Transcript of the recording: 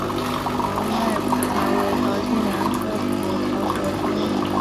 毛脉蒲桃为桃金娘科蒲桃属的植物。